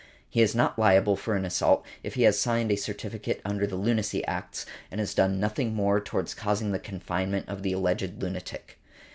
He is not liable for an assault if he has signed a certificate under the Lunacy Acts and has done nothing more towards causing the confinement of the alleged lunatic .